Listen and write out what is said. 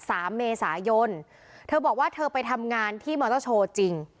สามเมษายนเธอบอกว่าเธอไปทำงานที่มอเตอร์โชว์จริง